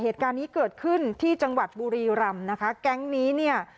เหตุการณ์นี้เกิดขึ้นที่จังหวัดบุรีรำนะคะแก๊งนี้เนี่ย